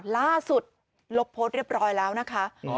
ล่าสุดลบโพสต์เรียบร้อยแล้วนะคะ